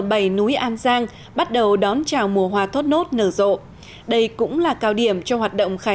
bầy núi an giang bắt đầu đón chào mùa hoa thốt nốt nở rộ đây cũng là cao điểm cho hoạt động khai